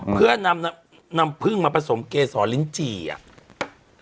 เพื่อนำน้ำพึ่งมาผสมเกษรลิ้นจี่อ่ะ